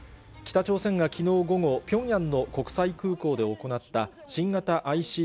北朝鮮がきのう午後、ピョンヤンの国際空港で行った、新型ＩＣＢＭ